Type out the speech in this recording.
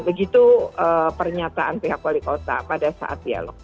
begitu pernyataan pihak wali kota pada saat dialog